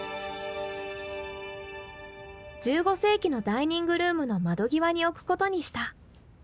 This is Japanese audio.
１５世紀のダイニングルームの窓際に置くことにした。